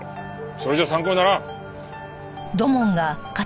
それじゃ参考にならん。